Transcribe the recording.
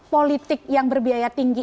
politik yang berbiaya tinggi